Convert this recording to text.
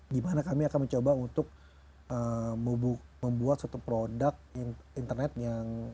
gimana kami akan mencoba untuk membuat suatu produk internet yang